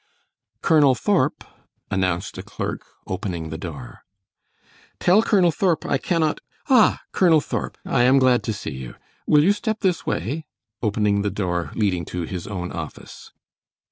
"Colonel Thorp," announced a clerk, opening the door. "Tell Colonel Thorp I cannot ah, Colonel Thorp, I am glad to see you. Will you step this way?" opening the door leading to his own office.